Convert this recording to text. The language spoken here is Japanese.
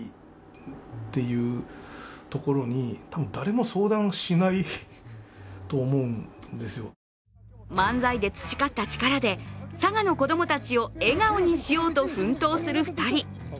漫才活動の狙いの一つが漫才で培った力で佐賀の子供たちを笑顔にしようと奮闘する２人。